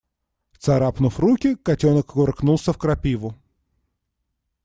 Царапнув руки, котенок кувыркнулся в крапиву.